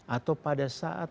atau pada saat